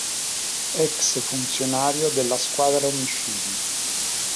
Ex funzionario della Squadra Omicidi.